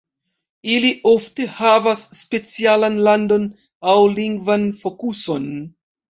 Ili ofte havas specialan landon, aŭ lingvan fokuson.